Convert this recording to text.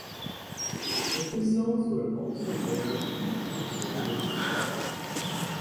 Episodes were also aired on the Fox Reality Channel.